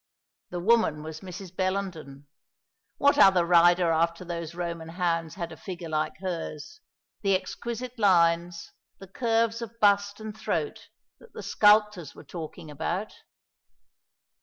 The woman was Mrs. Bellenden. What other rider after those Roman hounds had a figure like hers, the exquisite lines, the curves of bust and throat that the sculptors were talking about?